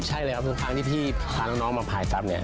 ใช่เลยครับทั้งที่พี่พาน้องมาผ่ายฟับ